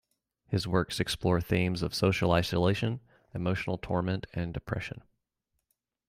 His works explore themes of social isolation, emotional torment and depression.